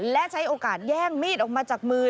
และใช้โอกาสแย่งมีดออกมาจากมือ